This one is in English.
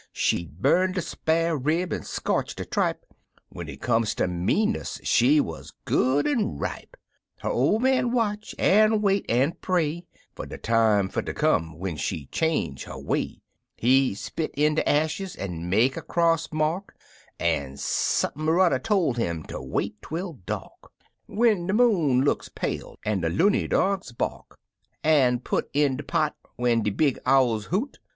She'd bum de spar' rib an' scorch de tripe When it come ter meanness she wuz good an' ripe. Her ol' man watch, an' wait, an' pray Fer de time fer ter come when she'd change her way; He spit in de ashes an" make a cross mark, An' sump'n n'er tol' 'im fer ter wait twel dark, When de moon look pale, an' de loony dogs bark An' put in de pot, when de big owls hoot.